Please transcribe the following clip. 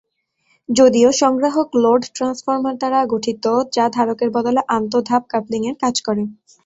যদিও, সংগ্রাহক load transformer দ্বারা গঠিত যা ধারকের বদলে আন্ত-ধাপ কাপলিং-এর কাজ করে।